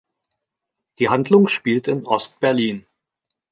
Die Handlung spielt in Ost-Berlin.